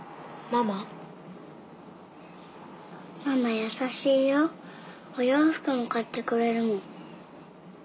ママ優しいよお洋服も買ってくれるもん。